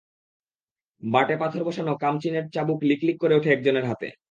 বাঁটে পাথর বসানো কামচিনের চাবুক লিক লিক করে ওঠে একজনের হাতে।